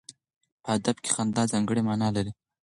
په ادب کې خندا ځانګړی معنا لري.